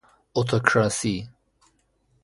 اتوکراسی